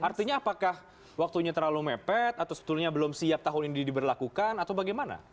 artinya apakah waktunya terlalu mepet atau sebetulnya belum siap tahun ini diberlakukan atau bagaimana